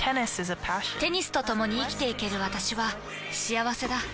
テニスとともに生きていける私は幸せだ。